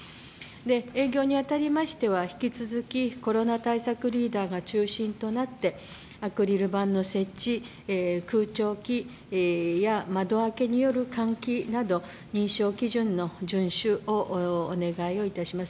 営業に当たりましては引き続きコロナ対策リーダーが中心となってアクリル板の設置、空調機や窓開けによる換気など、認証基準の順守をお願いいたします。